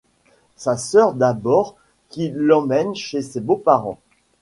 Sa sœur d'abord qui l'emmène chez ses beaux-parents.